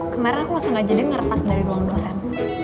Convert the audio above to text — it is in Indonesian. kemarin aku sengaja denger pas dari ruang dosen